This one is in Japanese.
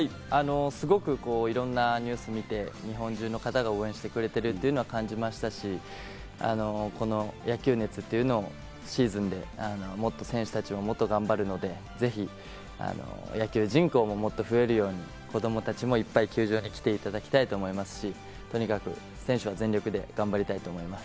すごくいろんなニュースを見て、日本中の方が応援してくれているというのは感じましたし、この野球熱というのをシーズンでもっと、選手たちはもっと頑張るので、野球人口ももっと増えるように子供たちもいっぱい球場に来ていただきたいと思いますし、とにかく選手は全力で頑張りたいと思います。